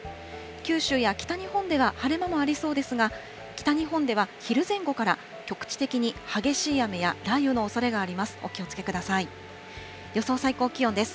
九州や北日本では晴れ間もありそうですが、北日本では昼前後から局地的に激しい雨や雷雨のおそれがあります。